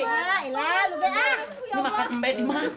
ini makan mbe dimana